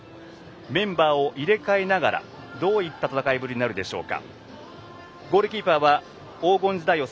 メンバーを入れ替えながらどういった戦いになるでしょうか。